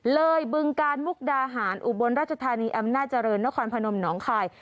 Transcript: เลยบึงการมุกดาหารอุบลราชาธารณีอำนาจรณ์นครพนมหนองคาย